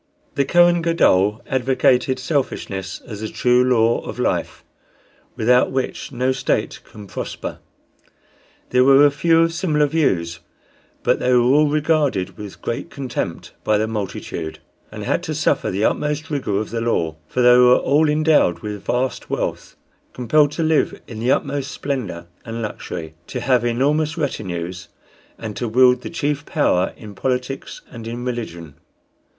The Kohen Gadol advocated selfishness as the true law of life, without which no state can prosper. There were a few of similar views, but they were all regarded with great contempt by the multitude, and had to suffer the utmost rigor of the law; for they were all endowed with vast wealth, compelled to live in the utmost splendor and luxury, to have enormous retinues, and to wield the chief power in politics and in religion.